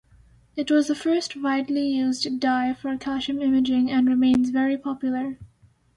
It was the first widely used dye for calcium imaging, and remains very popular.